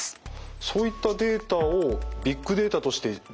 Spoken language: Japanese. そういったデータをビッグデータとして利用するメリット